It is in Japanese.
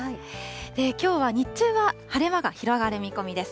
きょうは日中は晴れ間が広がる見込みです。